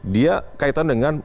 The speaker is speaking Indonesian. dia kaitan dengan